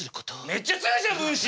めっちゃ強いじゃん分身！